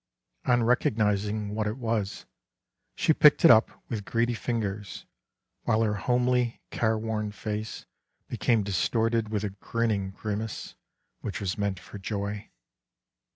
On recognizing what it was, she picked it up with greedy fingers, while her homely, careworn face became distorted with a grinning grimace, which was meant for joy.